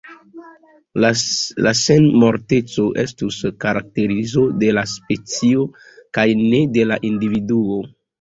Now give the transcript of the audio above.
La senmorteco estus karakterizo de la specio kaj ne de la individuo.